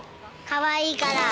かわいいから。